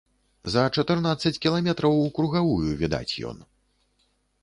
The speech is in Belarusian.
За чатырнаццаць кіламетраў укругавую відаць ён.